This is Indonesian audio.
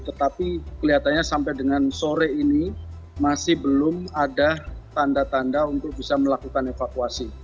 tetapi kelihatannya sampai dengan sore ini masih belum ada tanda tanda untuk bisa melakukan evakuasi